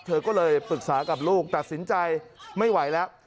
เธอก็เลยปรึกษากับลูกตัดสินใจไม่ไหวแล้ว